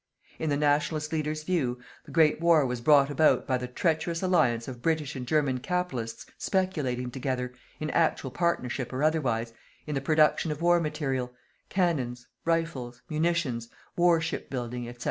In the "Nationalist" leader's view, the great war was brought about by the treacherous alliance of British and German capitalists speculating together, in actual partnership or otherwise, in the production of war material: cannons, rifles, munitions, war shipbuilding, &c.